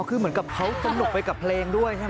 คือเหมือนกับเขาตลกไปกับเพลงด้วยใช่ไหม